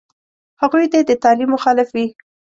هغوی دې د تعلیم مخالف وي.